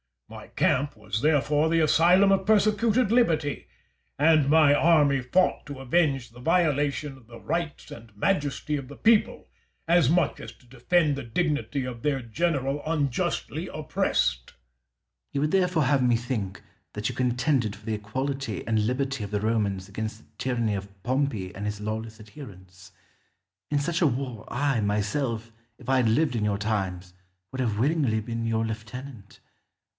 My camp was therefore the asylum of persecuted liberty, and my army fought to avenge the violation of the rights and majesty of the people as much as to defend the dignity of their general unjustly oppressed. Scipio. You would therefore have me think that you contended for the equality and liberty of the Romans against the tyranny of Pompey and his lawless adherents. In such a war I, myself, if I had lived in your times, would have willingly been your lieutenant.